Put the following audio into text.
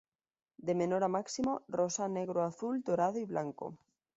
De menor a máximo: Rosa, Negro, Azul, Dorado y Blanco.